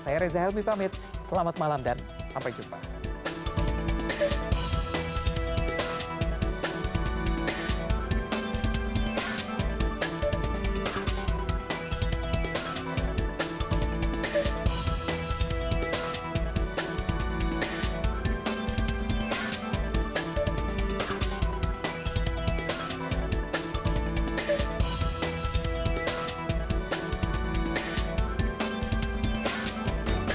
saya reza helmy pamit selamat malam dan sampai jumpa